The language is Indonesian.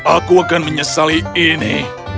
aku akan menyesali ini